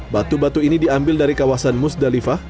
batu batu ini diambil dari kawasan musdalifah